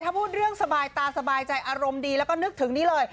ถ้าพูดเรื่องสบายตาสบายใจอารมณ์ดีแล้วก็นึกถึงนี้เลย